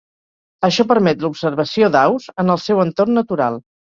Això permet l'observació d'aus en el seu entorn natural.